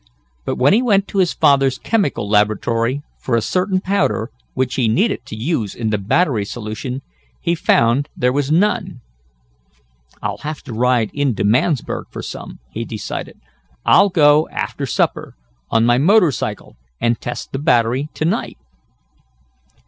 But, when he went to his father's chemical laboratory for a certain powder, which he needed to use in the battery solution, he found there was none. "I'll have to ride in to Mansburg for some," he decided. "I'll go after supper, on my motor cycle, and test the battery to night."